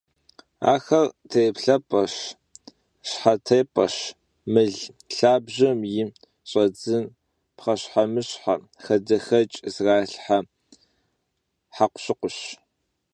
Axer têlhhep'eş, şhetêp'eş, mıl lhabjem yi ş'edzın, pxheşhemışhe, xadexeç' zralhhe hekhuşıkhuş.